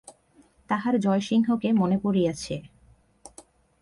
তাঁহার জয়সিংহকে মনে পড়িয়াছে।